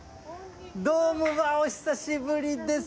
どうも、お久しぶりです。